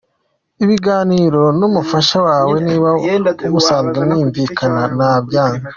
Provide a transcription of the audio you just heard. ubiganireho numufasha wawe niba mwusanzwe mwimvikana ntabyanga.